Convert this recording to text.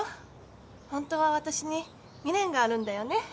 ホントは私に未練があるんだよね？